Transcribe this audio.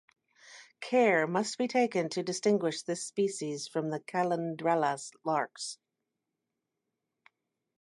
Care must be taken to distinguish this species from the "Calandrella" larks.